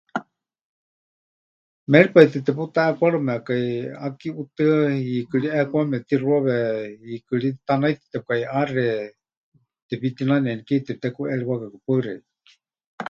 Méripai tɨ teputaʼeekwarɨmekai ʼaki ʼutɨa, hiikɨ ri ʼeekwame pɨtixuawe, hiikɨ ri tanaitɨ tepɨkaʼiʼaxe, tepitinanenikeyu tepɨtekuʼeriwakaku. Paɨ xeikɨ́a.